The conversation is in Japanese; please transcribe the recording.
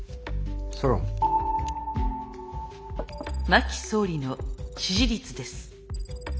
真木総理の支持率です。